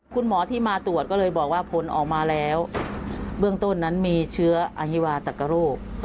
คุณหมอที่มาตรวจก็เลยบอกว่าผลออกมาแล้วเบื้องต้นนั้นมีเชื้ออฮิวาตักกะโรค